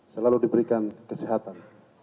selalu diberikan kesehatan